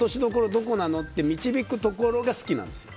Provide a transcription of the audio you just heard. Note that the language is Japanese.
どこなのって導くところが好きなんですよ。